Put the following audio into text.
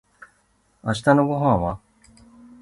明日のご飯は